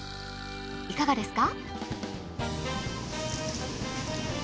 いかがですか？